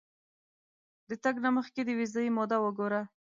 د تګ نه مخکې د ویزې موده وګوره.